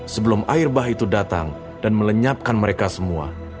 sebelum air bah itu datang dan melenyapkan mereka semua